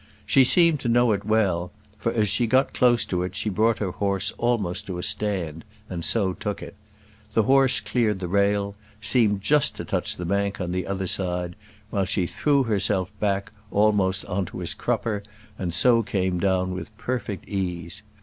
She seemed to know it well, for as she got close to it she brought her horse almost to a stand and so took it. The horse cleared the rail, seemed just to touch the bank on the other side, while she threw herself back almost on to his crupper, and so came down with perfect ease.